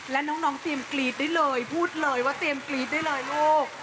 และน้องเตรียมกรี๊ดได้เลยพูดเลยว่าเตรียมกรี๊ดได้เลยลูก